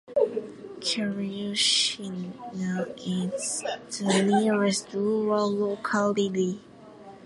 Kharyushina is the nearest rural locality.